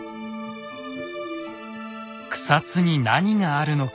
草津に何があるのか。